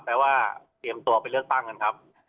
แปลว่าเตรียมตัวไปเลือกตั้งกันครับ